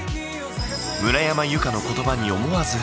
村山由佳の言葉に思わず。